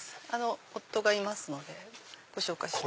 夫がいますのでご紹介します。